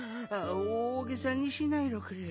おおげさにしないろくれ。